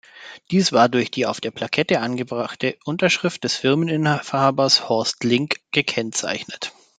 Diese war durch die auf der Plakette angebrachte Unterschrift des Firmeninhabers, Horst Link, gekennzeichnet.